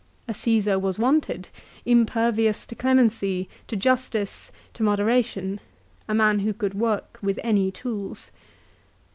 A Caesar was wanted, impervious to clemency, to justice, to modera tion; a man who could work with any tools.